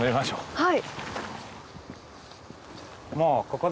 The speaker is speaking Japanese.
はい。